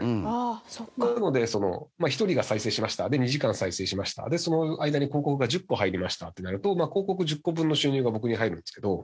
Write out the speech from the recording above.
なので１人が再生しました２時間再生しましたでその間に広告が１０個入りましたってなると広告１０個分の収入が僕に入るんですけど。